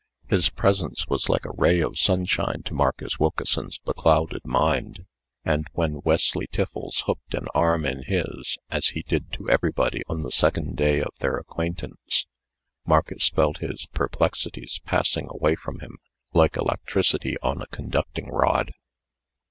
His presence was like a ray of sunlight to Marcus Wilkeson's beclouded mind; and when Wesley Tiffles hooked an arm in his (as he did to everybody on the second day of their acquaintance), Marcus felt his perplexities passing away from him, like electricity on a conducting rod.